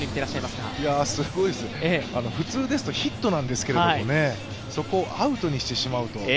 すごいです普通ですとヒットなんですけどそこをアウトにしてしまうと。